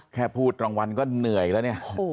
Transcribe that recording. แค่พูดรางวัลก็เหนื่อยแล้วเนี่ย